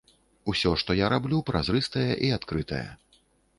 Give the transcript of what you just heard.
Усё, што я раблю, празрыстае і адкрытае.